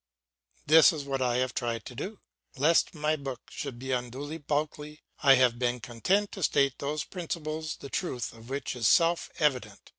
This is what I have tried to do. Lest my book should be unduly bulky, I have been content to state those principles the truth of which is self evident.